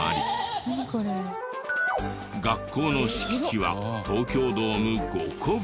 学校の敷地は東京ドーム５個分。